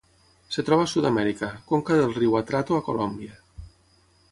Es troba a Sud-amèrica: conca del riu Atrato a Colòmbia.